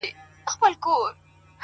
علم د بې لارې کېدو مخه نیسي،